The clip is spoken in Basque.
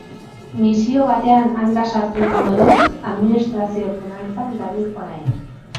Misio batean hanka sartu duenez, administrazioko lanetan dabil orain.